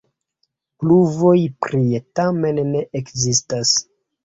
Pruvoj prie tamen ne ekzistas.